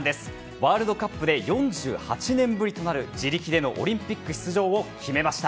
ワールドカップで４８年ぶりとなる自力でのオリンピック出場を決めました。